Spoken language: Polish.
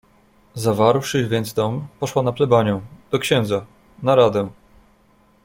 "Zawarłszy więc dom, poszła na plebanią, do księdza, na radę."